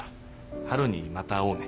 春にまた会おうね。